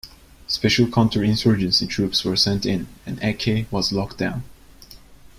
Special counter- insurgency troops were sent in and Aceh was locked down.